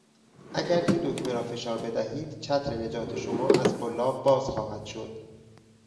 اگر این دکمه را فشار بدهید چتر نجات شما از قلاب باز خواهد شد.